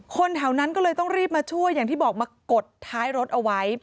คนแถวนั้นก็เลยต้องรีบมาช่วยอย่างที่บอกมากดท้ายรถเอาไว้